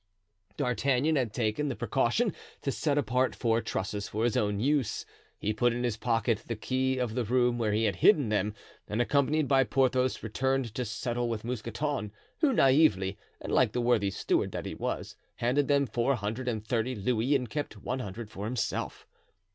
D'Artagnan had taken the precaution to set apart four trusses for his own use. He put in his pocket the key of the room where he had hidden them, and accompanied by Porthos returned to settle with Mousqueton, who, naively, and like the worthy steward that he was, handed them four hundred and thirty louis and kept one hundred for himself.